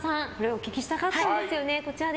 お聞きしたかったんですよね。